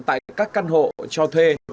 tại các căn hộ cho thuê